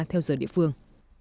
theo giờ địa phương